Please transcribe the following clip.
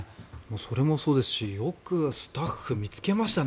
それもそうですしよくスタッフ見つけましたね